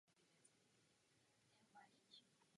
Současný ředitel firmy je Michael Brown.